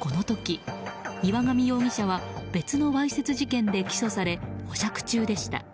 この時、岩上容疑者は別のわいせつ事件で起訴され保釈中でした。